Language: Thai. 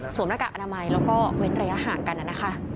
หน้ากากอนามัยแล้วก็เว้นระยะห่างกันนะคะ